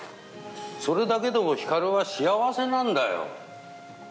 それだけでもヒカルは幸せなんだよ。